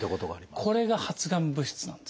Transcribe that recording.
これが発がん物質なんですね。